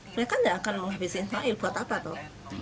mereka tidak akan menghabisi ismail buat apa tuh